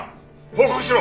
報告しろ！